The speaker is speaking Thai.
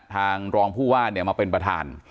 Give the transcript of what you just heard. ทางรองผู้ว่ามาเป็นประธาน